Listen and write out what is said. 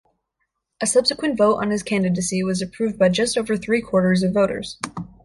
A subsequent vote on his candidacy was approved by just over three-quarters of voters.